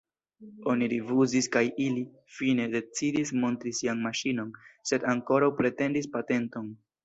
Oni rifuzis kaj ili, fine, decidis montri sian maŝinon, sed ankoraŭ pretendis patenton.